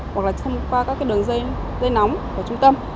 hoặc là thông qua các đường dây nóng của trung tâm